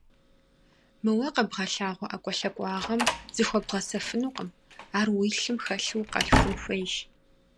Мы уэ къэбгъэлъагъуэ ӀэкӀуэлъакӀуагъэм зыхуэбгъэсэфынукъым, ар уи лъым хэлъу укъалъхун хуейщ.